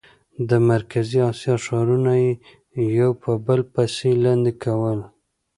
د مرکزي اسیا ښارونه یې یو په بل پسې لاندې کول.